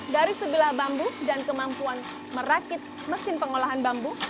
dari sebilah bambu dan kemampuan merakit mesin pengolahan bambu